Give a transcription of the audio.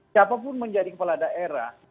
siapapun menjadi kepala daerah